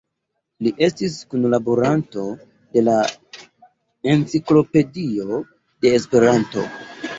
Li estis kunlaboranto de la Enciklopedio de Esperanto.